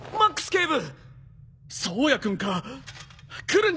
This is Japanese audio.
警部！